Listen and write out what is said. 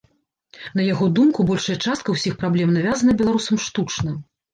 На яго думку, большая частка ўсіх праблем навязана беларусам штучна.